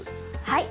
はい。